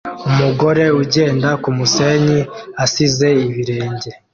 umugore ugenda kumusenyi asize ibirenge